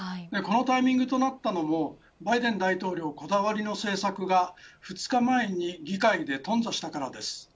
このタイミングとなったのもバイデン大統領こだわりの政策が２日前に議会で頓挫したからです。